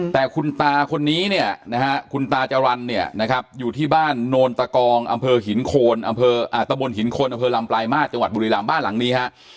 แต่คุณตาคนนี้คุณตาจรรย์อยู่ที่บ้านโนลตะกองอำเภอตะบนหินโคนอำเภอรำปลายมาสจังหวัดบุรีรำบ้านหลังนี้